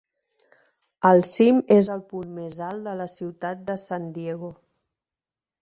El cim és el punt més alt de la ciutat de San Diego.